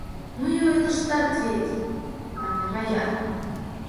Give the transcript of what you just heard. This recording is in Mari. — Ну и ойлыштат вет! — мане Рая.